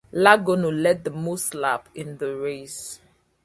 Logano led the most laps in the race.